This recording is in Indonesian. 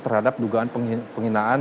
terhadap dugaan penghinaan